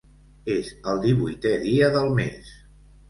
És el divuitè dia del mes.